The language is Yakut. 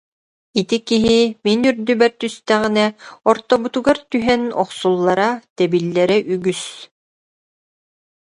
Ити киһи мин үрдүбэр түстэҕинэ ортобутугар түһэн, охсуллара, тэбиллэрэ үгүс